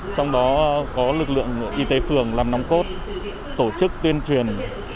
trong đó có lực lượng y tế phường làm nòng cốt tổ chức tuyên truyền